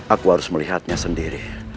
aku harus melihatnya sendiri